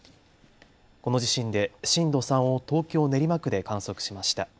この地震で震度３を東京練馬区で観測しました。